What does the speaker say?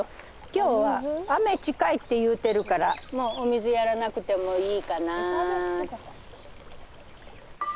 今日は雨近いって言うてるからもうお水やらなくてもいいかな。